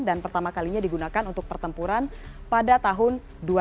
dan pertama kalinya digunakan untuk pertempuran pada tahun dua ribu lima belas